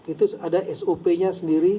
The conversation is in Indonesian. itu ada sop nya sendiri